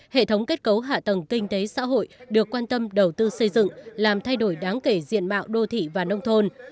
hệ thống kết cấu hạ tầng kinh tế xã hội được quan tâm đầu tư xây dựng làm thay đổi đáng kể diện mạo đô thị và nông thôn